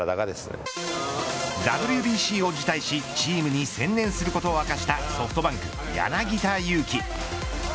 ＷＢＣを辞退しチームに専念することを明かしたソフトバンク柳田悠岐。